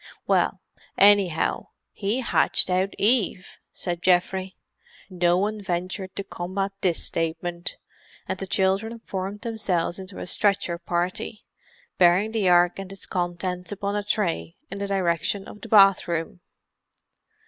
"Well, anyhow, he hatched out Eve!" said Geoffrey. No one ventured to combat this statement, and the children formed themselves into a stretcher party, bearing the Ark and its contents upon a tray in the direction of the bathroom.